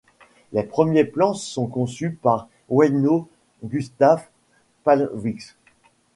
Les premiers plans sont conçus par Wäinö Gustaf Palmqvist.